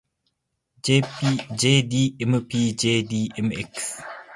jdmpjdmx